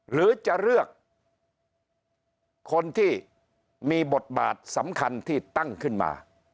หรือจะเลือกคนที่มีบทบาทสำคัญที่ตั้งขึ้นมา